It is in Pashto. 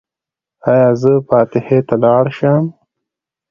ایا زه فاتحې ته لاړ شم؟